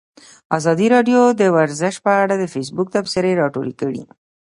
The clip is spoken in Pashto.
ازادي راډیو د ورزش په اړه د فیسبوک تبصرې راټولې کړي.